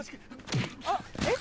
あっえっ？